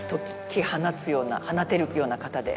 ような放てるような方で。